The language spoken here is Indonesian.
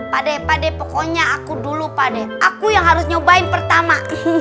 pada pada pokoknya aku dulu pada aku yang harus nyobain pertama